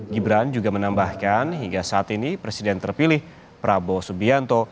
gibran juga menambahkan hingga saat ini presiden terpilih prabowo subianto